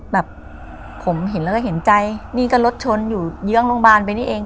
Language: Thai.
แบบผมเห็นแล้วก็เห็นใจนี่ก็รถชนอยู่เยื้องโรงพยาบาลไปนี่เอง